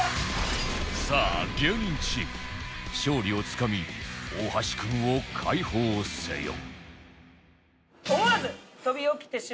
さあ芸人チーム勝利をつかみ大橋君を解放せよ